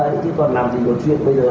đấy chứ còn làm gì có chuyện bây giờ